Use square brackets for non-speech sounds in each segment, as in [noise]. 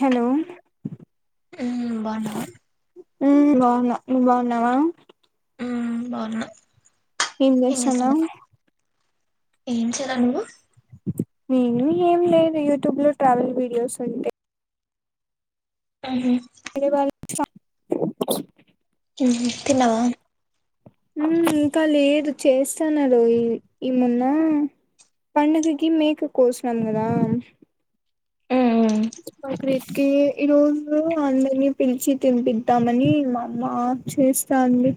Hello ఇం బాగున్నావా ఇం బాగున్నా నువ్వు బాగున్నావా ఇం బాగున్నా ఏం చేస్తన్నావ్ ఏం చేయల నువ్ నేను ఏం లేదు యూట్యూబ్ లో ట్రావెల్ వీడియోస్ అవి ఇం మే వా సం తిన్నావా ఇం ఇంకా లేదు చేస్తాన్నారు ఈ ఈ మొన్న పండుగకి మేక కోసాం కదా మ్మ్ మాక్రకి ఈరోజు అందరిని పిలిచి తినిపిద్దామని మా అమ్మ చేస్తాంది.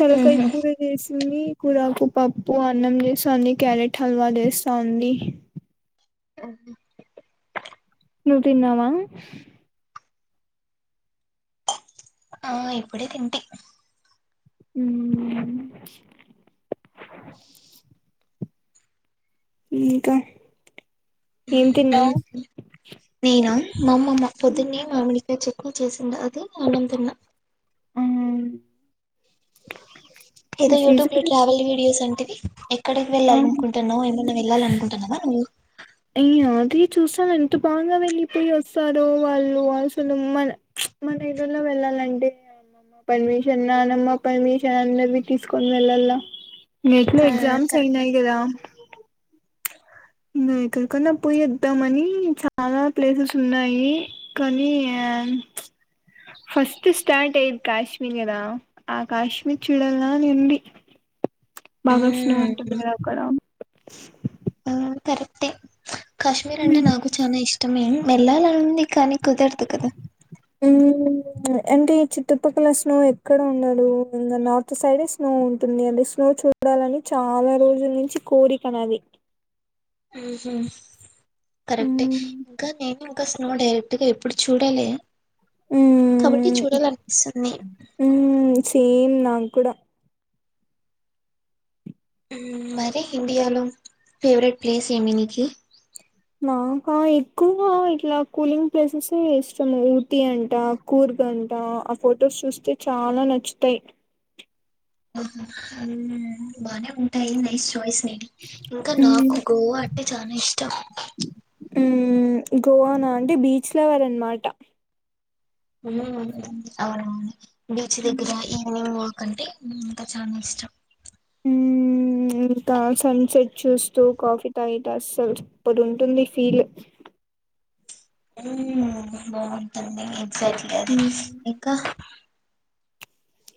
తలకాయ మ్మ్ కూర చేస్ మీ కూరకు పప్పు అన్నం చేస్తాంది. క్యారెట్ హల్వా చేస్తాంది. ఆ నువ్ తిన్నావా ఆ ఇప్పుడే తింటి ఉమ్ ఇంకా ఏం మ్మ్ తిన్నావు నేనా మా అమ్మమ్మ పొద్దున్నే మామిడికాయ చట్నీ చేసిండ అది అన్నంతిన్న ఆ ఏదో యూట్యూబ్ లో ట్రావెల్ వీడియోస్ అంటివి ఎక్కడికి ఆ వెళ్ళాల అనుకుంటున్నావు ఏమైనా వెళ్ళాల అనుకుంటున్నావా నువ్వు యే అది చూసాను. ఎంత బాగా వెళ్ళిపోయి, వస్తారో, వాళ్ళు అసలు మన మన ఇళ్ళల్లో వెళ్ళాలంటే, అమ్మమ్మ పర్మిషన్, నానమ్మ పర్మిషన్, అందరివి తీసుకొని వెళ్ళాల. నీకు ఆ ఎగ్జామ్స్ కరెక్టే అయినాయి కదా ఎక్కడికన్నా పోయిద్దామని చాలా ప్లేసెస్ ఉన్నాయి. కానీ ఫస్ట్ స్టార్ట్ అయ్యేది కాశ్మీర్ కదా. ఆ కాశ్మీర్ చూడలా అని ఉంది బాగా స్నో ఉంటుంది మ్మ్ కదా అక్కడ. ఆ కరెక్టే కాశ్మీర్ అంటే నాకు చాలా ఇష్టమే వెళ్లాలని ఉంది కాని కుదరదు కదా ఉ అంటే ఈ చుట్టుపక్కల స్నో ఎక్కడ ఉండదు. ఇంకా నార్త్ సైడే స్నో ఉంటుంది. అంటే స్నో చూడాలని చాలా రోజుల నుంచి కోరికనది. ఉహు కరెక్ట్ ఏ మ్మ్ ఇంకా నేను ఇంకా స్ నోడే అంటే ఎప్పుడు చూడాలి కాబట్టి మ్మ్ చూడాల అనిపిస్తుంది అం కూడా మరి ఇండియాలో ఫేవరెట్ ప్లేస్ ఏంటి నీకు మాకా ఎక్కువగా ఇట్లా కూలింగ్ ప్లేసెస్ ఏ ఇష్టము. ఊటి అంట, కూర్గ్ అంట, ఆ ఫొటోస్ చూస్తే చాలా నచ్చుతాయి. హ బానే ఉంటాయి నైస్ చాయిస్ ఇంకా మ్మ్ నాకు గోవా అంటే చనా ఇష్టం ఉ గోవానా అంటే బీచ్ లవర్ అనమాట అవునా బీచ్ దగ్గర ఈవనింగ్ ంటే ఇంకా చాలా ఇష్టం హ ఇంకా సన్ సెట్ చూస్తూ కాఫీ తాగితే అస్సలు అప్పుడుంటుంది ఫీల్ ఉ బాగుంటా సర్లే మ్మ్ ఇంకా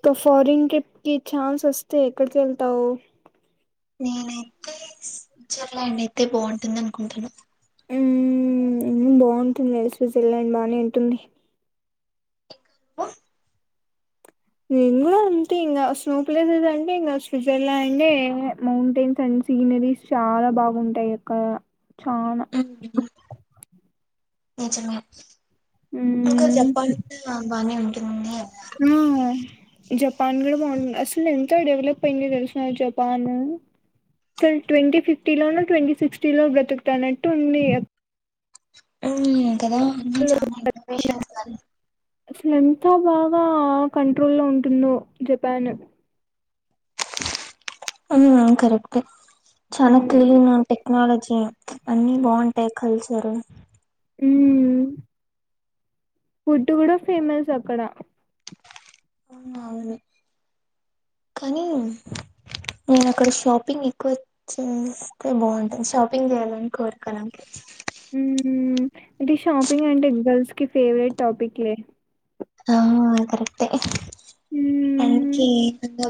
ఒక ఫారెన్ ట్రిప్ కి ఛాన్స్ వస్తే ఎక్కడికి వెళ్తావు నేనైతే స్విజ్జర్లాండ్ అయితే బాగుంటుంది అనుకుంటాను ఉమ్ బాగుంటుంది ఏ సూసి వెళ్ళండి బానే ఉంటుంది నేను కూడా అంతే ఇంకా స్నో ప్లేసెస్ అంటే ఇంకా స్విట్జర్లాండ్ అంటే మౌంటైన్స్ అండ్ సీనరీస్ చాలా బాగుంటాయి అక్క ఉ నిజంగా ఇంకా చెప్పలాంటే బానే ఉంటంది ఉమ్... జపాన్ కూడా బాగుంది అసలు ఎంత డెవలప్ అయిందో తెలుసిన జపాను అసలు ట్వంటీ ఫిఫ్టీలోన ట్వంటీ సిక్స్టీలో బ్రతుకుతాన్నట్టు ఉంది అ కదా అ చ ఇఫర్ేషన్న్నారు అసలు ఎంత బాగా కంట్రోల్ లో ఉంటుందో జపాన్ ఆ కరెక్టే చానా క్లీన్ టెక్నాలజీ స అన్నీ బాగుంటాయి కలిసు సరే ఉమ్ ఫుడ్ కూడా ఫేమస్ అక్కడ అవును కానీ నేను అక్కడ షాపింగ్ ఎక్కువ చేస్తే బాగుంటాంది షాపింగ్ చేయాలని కోరిక నాకి మ్మ్. ఇది షాపింగ్ అంటే గర్ల్స్ కి ఫేవరెట్ టాపిక్ లే ఆ కరెక్టే మ్మ్. అనికి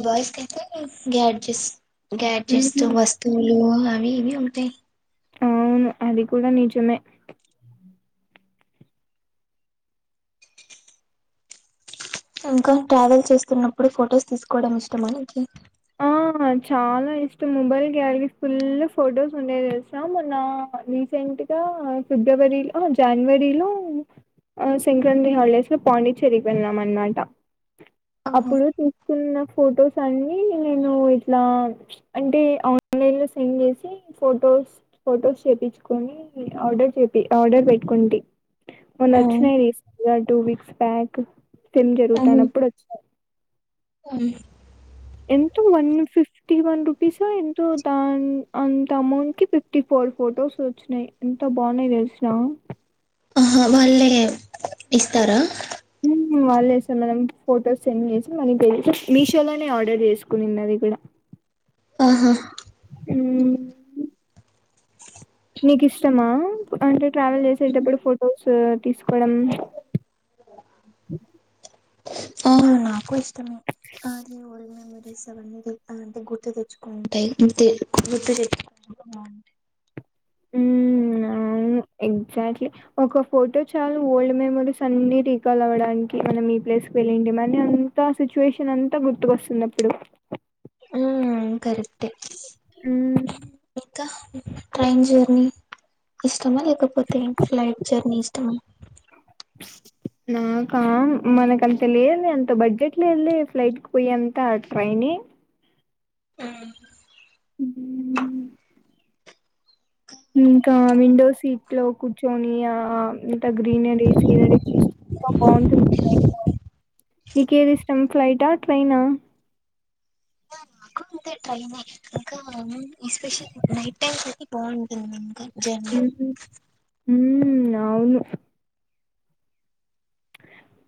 బాయ్స్ కి అయితే గాడ్జెస్ గ్యాడ్జెట్స్ మ్మ్. వస్తువులు అవి ఇవి ఉంటాయి అవును అది కూడా నిజమే ఇంకా ట్రావెల్ చేస్తున్నప్పుడు ఫొటోస్ తీసుకోవడం ఇష్టం మనకి ఆ చాలా ఇష్టం మొబైల్ గ్యాలరీ ఫుల్ ఫొటోస్ ఉండే తెసినాము నా రీసెంట్గా ఫిబ్రవరిలో జనవరిలో ఆ సంక్రాంతి హాలిడేస్ లో పాండిచ్చేరికి వెళ్ళాం అనమాట ఆహా అప్పుడు న్న ఫొటోస్ అన్ని నేను ఇట్లా ప్చ్ అంటే ఆన్లైన్ లో సెండ్ చేసీ ఫోటోస్ ఫోటోస్ చేపిచ్చుకొనీ ఆర్డర్ చెపి ఆర్డర్ పెట్టుకుంటీ. మొన్న ఉమ్ ఒచ్చినయి రీస్ వన్ టూ వీక్స్ బ్యాక్ ఫిన్ అవును జరుగుతానప్పుడు వచ్చినాడ్. [unintelligible] మన్న ఫిఫ్టీ వన్ రూపీసో ఎంతో దాన్ అంత అమౌంట్ కి ఫిఫ్టీ ఫోర్ ఫొటోస్ వచ్చినయి ఎంత బాగున్నాయి తెలిసునా. ఆహా వాళ్ళే ఇస్తారా ఉమ్ వాళ్ళే ఇస్తార్ మనం ఫోటోస్ సెండ్ చేసి మనీ పే చేసి మీషోలోనే ఆర్డర్ చేసుకునింది అది కూడా. ఆహా ఊ నీకు ఇష్టమా అంటే ట్రావెల్ చేసేటప్పుడు ఫొటోస్ ఆ తీసుకోవడం. కు ఇష్టమే. స్ బాటల్స్ అవన్నీ తెత్తా అంటే గుర్తు తెచ్చుకో ఉంటయి గుర్తు తెచ్చుకు బాగుంటద్ ఉమ్ అవును ఎగ్జాక్ట్లీ ఒక ఫోటో చాలు ఓల్డ్ మెమోరీస్ అన్ని రీకాల్ అవ్వడానికి మనం ఈ ప్లేస్కి వెళ్ళింటి మని అంతా సిచ్యువేషన్ అంతా గుర్తుకొస్తుంది అప్పుడు. అవున్ కరెక్టే. మ్మ్ ఇంకా ట్రైన్ జర్నీ, ఇష్టమా లేకపోతే ఫ్లైట్ జర్నీ ఇష్టమా. నాకా మనకి అంత లేద్ లే అంత బడ్జెట్ లేదులే ఫ్లైట్ కి పోయంత ట్రైనే. ఆ హ ఇంకా విండో సీట్ లో కూర్చోని ఆ అంత గ్రీనరీ సీనరీ చూస్తుంటే ఎంత బాగుంటుంది ట్రైన్లో. నీకేది ఇష్టం ఫ్లైటా ట్రైనా. తే ట్రైనే ఇంకా ముంద్ ఎస్పెషల్ నైట్ టైమ్స్ అయితే బాగుంటుంది ఇంకా జర్నీ. ఉ అవును.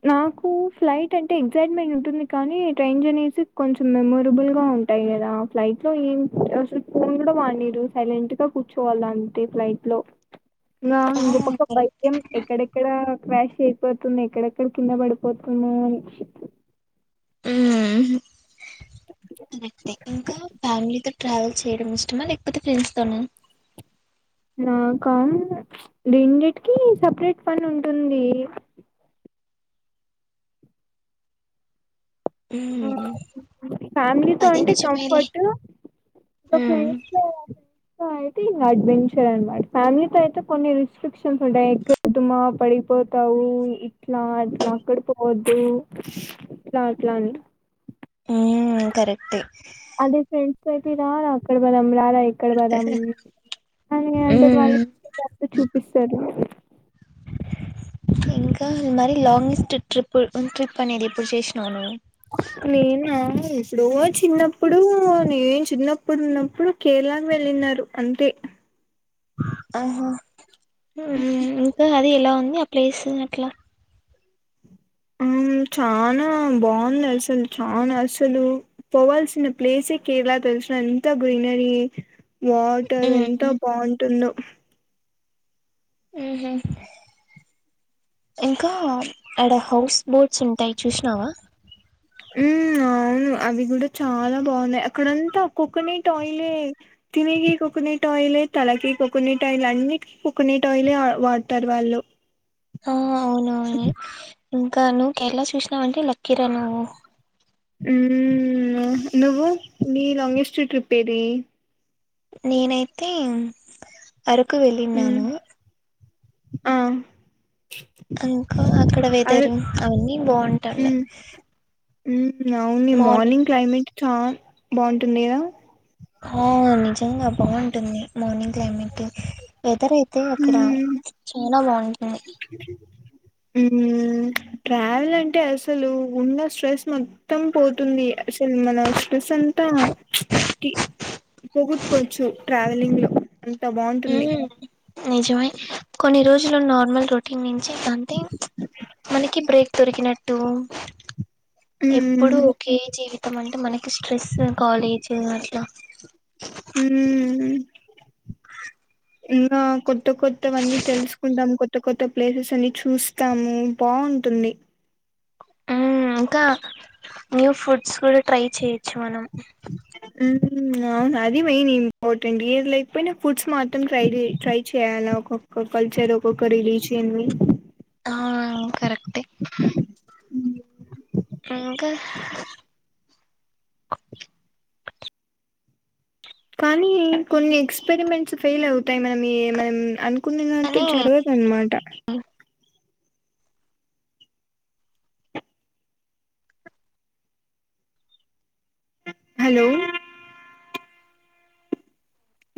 నాకు ఫ్లైట్ అంటే ఎగ్సైట్మెంట్ ఉంటుంది కానీ ట్రైన్ జర్నీస్ కొంచెం మెమొరబుల్ గా ఉంటాయి కదా ఫ్లైట్ లో ఏం అసలు ఫోన్ కూడా వాడ్నీరు సైలెంట్ గా కూర్చోవాల అంతే ఫ్లైట్ లో. నా ఆ ఇంకొ పక్క కరెక్ట్ భయ్యం ఎక్కడెక్కడా వాయిస్ ఐ పోతుంది నీద్ ఎక్కడెక్కడ కింద పడిపోతున్నా అని హ్మ హు ఇంకా ఫ్యామిలీతో ట్రావెల్ చేయడం ఇష్టమా లేకపోతే ఫ్రెండ్స్ తోన. నాకా ప్చ్ రెండిటికీ సపరేట్ పని ఉంటుందీ. ఉమ్ ఫ్యామిలీతో అది అంటే నిజమేలే కంఫర్ట్ ఇంక ఉమ్ ఫ్రెండ్స్ తో అయితే ఇంగ అడ్వెంచర్ అనమాట ఫ్యామిలీతో అయితే కొన్ని రిస్ట్రిక్షన్స్ ఉంటాయి ఎక్కద్దుమా పడిపోతావు ఇట్లా అట్లా అక్కడ పోవద్దూ ఇట్లా ట్లాని ఆ కరెక్టే. అదే ఫ్రెండ్స్ తో ఐ కి రారా అక్కడ పోదాం రారా ఇక్కడ పోదాం అనీ అంటరు వాళ్ళు చూపిస్తరు ఇంకా మరి లాంగెస్ట్ ట్రిప్ ట్రిప్ అనేది ఎప్పుడు చేసినవ్ నువ్వు. నేనా ఇస్ ఏప్పుడో చిన్నప్పుడు నేన్ చిన్నప్పుడున్నప్పుడు కేరళాకి వెళ్ళిన్నారు అంతే ఆహా ఇంకా అది ఎలా ఉంది ఆ ప్లేస్ అట్లా అవును చానా బాగుంది అసలు చానా అసలు పోవల్సిన ప్లేసే కేర్ల తెల్సా ఎంత గ్రీనరీ వాటర్ ఎంతో ఉమ్ బాగుంటుందో ఇంకా ఆడ హౌస్ బోట్స్ ఉంటాయి చూసినావా మ్మ్ అవును అవి కూడా చాలా బాగున్నాయి అక్కడంతా కోకోనట్ ఆయిలే తినేకి కోకోనట్ ఆయిలే తలకి కోకోనట్ ఆయిల్ అన్నికి కోకోనట్ ఆయిలే వాడతారు వాళ్ళు ఆ అవునవును ఇంకా నువ్వు కేరళ చూసినావంటే లక్కీరా నువ్వు నువ్వు నీ లాంగెస్ట్ ట్రిప్ ఏది నేనైతే అరకు హ్మ్ వెళ్ళిన్నాను ఆ ఇంకా అక్కడ అదే వెదరు అవన్నీ బాగుంటాలే మ్మ్ నావ్ నీ మార్నింగ్ క్లైమేట్ చా బాగుంటుంది కదా ఆ నిజంగా బాగుంటుంది మార్నింగ్ క్లైమేట్ వెదర్ అయితే అక్కడ చ చాలా బాగుంటాయి మ్మ్ ట్రావెల్ అంటే అసలు ఉన్న స్ట్రెస్ మొత్తం పోతుంది అసలు మన స్ ప్రసంత టి పోొగొట్టుకోవచ్చు ట్రావెలింగ్ లో అంత బాగుంటుంది నిజమే కొన్ని రోజులు నార్మల్ రొటీన్ నుంచి అంటే మనకి బ్రేక్ దొరికినట్టు ఎప్పుడు హ్మ్ ఓకే జీవిత్ అంటే మనకి స్ట్రెస్ కాలేజ్ అట్లా మ్మ్ ఇరాకు కొత్త కొత్తవన్నీ తెలుసుకుంటాం కొత్ కొత్త కొత్త ప్లేసెస్ అన్ని చూస్తాము బాగుంటుంది అయ్ ఇంకా న్యూ ఫుడ్స్ కూడా ట్రై చేయచ్చు మనం మ్మ్ అవును అది మెయిన్ ఇంపార్టెంట్ ఏది లేకపోయినా ఫుడ్స్ మాత్రం ట్రైల్ ట్రై చేయ్యాలా ఒక్కొక్క కల్చర్ ఒక్కొక్క రిలీజియని ఆ కరెక్టే మ్మ్ మ్మ్ ఇంకా కానీ కొన్ని ఎక్స్పరిమెంట్స్ ఫెయిల్ అవుతాయి మనం ఎమన్ అన్ కొన్నినట్టు కానీ జరగదు అన్నమాట హలో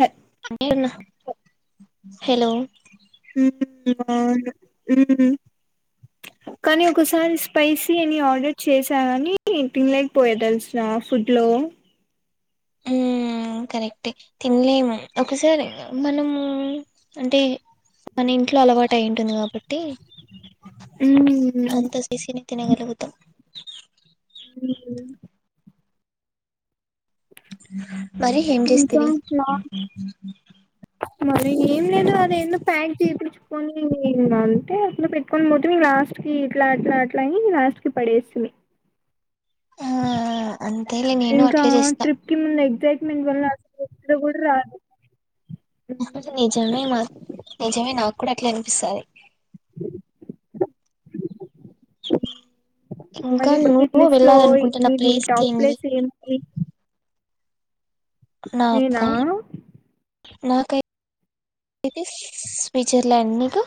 ఆహ్ హలో, కానీ ఒకసారి స్పైసీ అని ఆర్డర్ చేసా కాని తినలేకపోయ తెలుసా ఫుడ్ లో. ఉమ్ కరెక్టే తినలేము ఒకసారి మనము అంటే మన ఇంట్లో అలవాటు అయి ఉంటుంది కాబట్టి. ఉమ్ ఉమ్మ్. తినగలుగుతం. ఉమ్ ఉమ్ మరి ఏం ఇంకా చేస్తివి లా మరి ఏం లేదు అది ఏందోప్యాట్ చేయి తుడుచుకొని ఇంక అంటే అక్కడ పెట్టుకొని పోతే లాస్ట్ కి ఇట్లా అట్లా అట్లా అయి లాస్ట్ కి పడేసింది. ఆ అంతేలే నేను ఇంకా అట్లే చేస్తా ట్రిప్ కి ముందు ఎక్సైట్. నేను కొన్న అసలుతిలో కూడా రాదు. ఇది ఉమ్, నిజమే మా నిజమే నాకు. కూడా అట్లా అనిపిస్తాది. ఇంకా మనీ నువ్వు బకిట్లిస్లో వెళ్ళాలనుకుంటున్న నీది ప్లేస్ టాప్ ఏంది ప్లేస్ ఏంది. నేనా, నాకా నాకైతే స్విట్జర్లాండ్ నీకు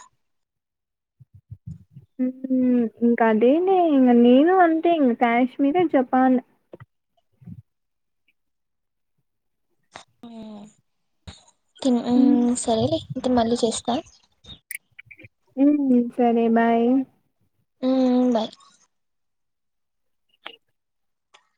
ఉమ్ ఇంకా అదేనే ఇంక నేను అంతే ఇంక కాశ్మీర్ జపాన్. మ్మ్ ఉమ్ సరేలే ఇంక మళ్ళీ చేస్తా క్క ఉమ్ సరే బాయ్. ఉమ్ బాయ్.